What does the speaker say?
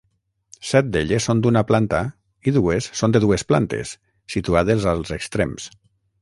Set d'elles són d'una planta i dues són de dues plantes, situades als extrems.